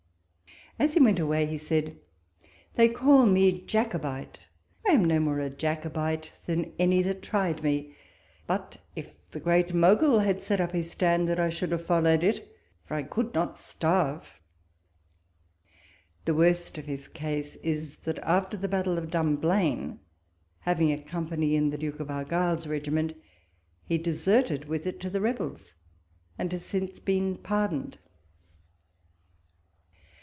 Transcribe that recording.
As he went away, he said, " They call me Jacobite ; I am no more a Jacobite than any that tried me : but if the Great Mogul had set up his standard, I should have followed it, for I could not starve." The worst of his case is, that after the battle of Dumblain, having a company in the Duke of Argyll's regiment, he deserted with it to the rebels, and has since been par doned.